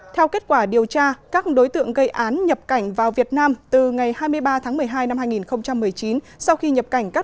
theo kết quả điều tra các đối tượng gây án nhập cảnh vào việt nam từ ngày hai mươi ba tháng một mươi hai năm hai nghìn một mươi chín